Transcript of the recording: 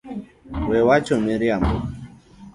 We wacho miriambo.